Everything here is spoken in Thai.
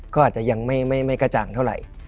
ก็อาจจะยังไม่กระจ่างเท่าไหร่